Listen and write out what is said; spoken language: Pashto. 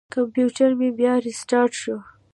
کمپیوټر مې بیا ریستارټ شو.